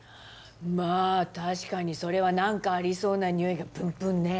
まあ確かにそれはなんかありそうなにおいがぷんぷんね。